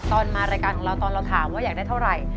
ตอนมารายการของเราตอนเราถามว่าอยากได้เท่าไหร่